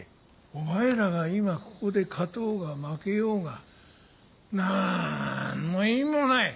お前らが今ここで勝とうが負けようがなんの意味もない。